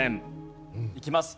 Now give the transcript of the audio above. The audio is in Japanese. いきます。